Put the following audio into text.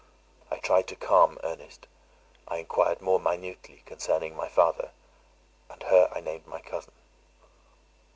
I tried to calm Ernest; I enquired more minutely concerning my father, and here I named my cousin.